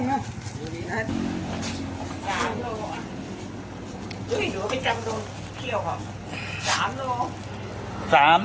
และสถานที่กระดาษเข้ามา